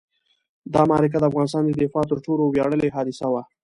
دا معرکه د افغانستان د دفاع تر ټولو ویاړلې حادثه وه.